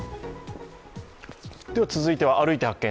続いては「歩いて発見！